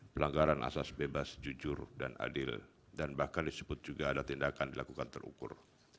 pelanggaran asas bebas jujur dan adil dan bahkan disebut juga ada tindakan dilakukan terukur